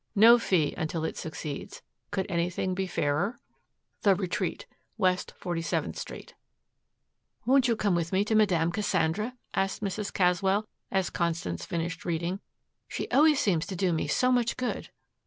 No fee until it succeeds. Could anything be fairer? THE RETREAT, W. 47th Street. "Won't you come with me to Madame Cassandra?" asked Mrs. Caswell, as Constance finished reading. "She always seems to do me so much good."